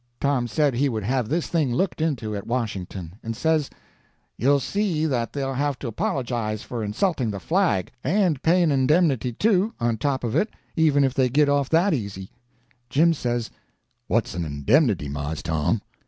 Tom said he would have this thing looked into at Washington, and says: "You'll see that they'll have to apologize for insulting the flag, and pay an indemnity, too, on top of it even if they git off that easy." Jim says: "What's an indemnity, Mars Tom?"